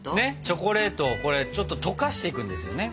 チョコレートをこれちょっと溶かしていくんですよね。